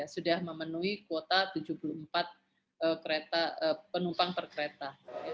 sudah memenuhi kuota tujuh puluh empat penumpang per kereta